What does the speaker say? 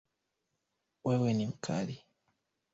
Wewe ni mkali